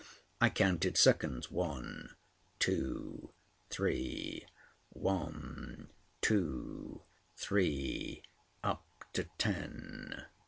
I counted seconds, one, two, three—one, two, three up to ten.